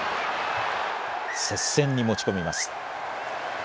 接戦に持ち込みます。